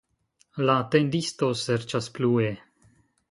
La tendisto serĉas plue.